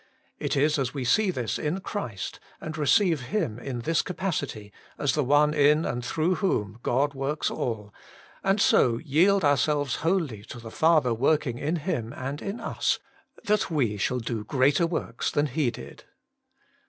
It is as we see this in Christ, and receive Him in this capacity, as the One in and through whom God works all, and so yield ourselves wholly to the Father working in Him and in us, that we shall do greater works than He did.